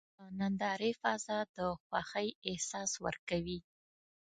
د نندارې فضا د خوښۍ احساس ورکوي.